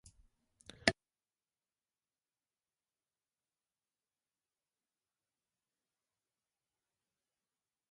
どうしてだろう、新しい傘を初めて使った日って、どこかに忘れてきがちだ。